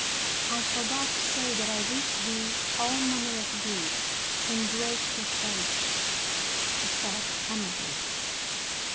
"I forgot to say that I wish thee all manner of good, and great prosperity," she said amiably.